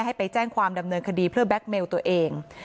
ให้ไปแจ้งความดำเนินคดีเพื่อแก๊กเมลตัวเอง